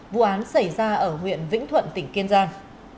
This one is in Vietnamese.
vụ án xảy ra ở huyện vĩnh thuận tỉnh kiên giang